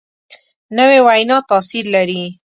نوې وینا تاثیر لري